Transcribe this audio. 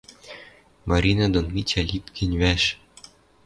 Марина дон Митя лит гӹнь вӓш